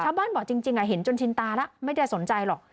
ชาวบ้านบอกจริงอ่ะเห็นจนชินตาแล้วไม่ได้สนใจหรอก